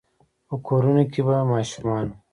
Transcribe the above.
په کورونو کې به ماشومانو،